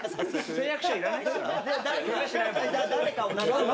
誓約書いらないっすよね？